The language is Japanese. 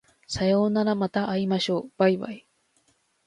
さようならまた明日会いましょう baibai